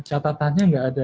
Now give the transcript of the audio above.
catatannya nggak ada